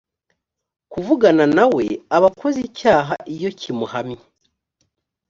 kuvugana na we aba akoze icyaha iyo kimuhamye